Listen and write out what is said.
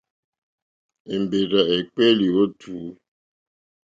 Èmbèrzà èkpéélì ó tùú.